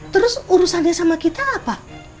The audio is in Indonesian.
terus urusannya sama kita apa